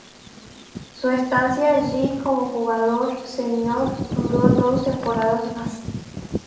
Su estancia allí como jugador senior duró dos temporadas más.